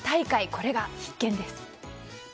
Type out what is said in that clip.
これが必見です。